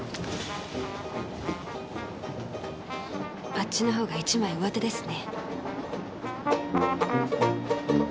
あっちのほうが一枚上手ですね。